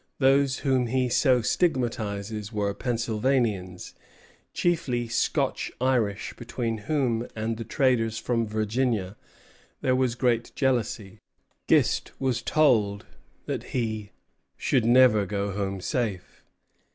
Those whom he so stigmatizes were Pennsylvanians, chiefly Scotch Irish, between whom and the traders from Virginia there was great jealousy. Gist was told that he "should never go home safe."